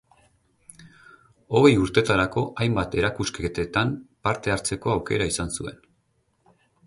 Hogei urtetarako hainbat erakusketetan parte hartzeko aukera izan zuen.